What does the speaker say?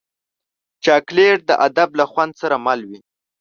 چاکلېټ د ادب له خوند سره مل وي.